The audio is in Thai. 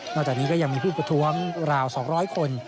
จากนี้ก็ยังมีผู้ประท้วงราว๒๐๐คน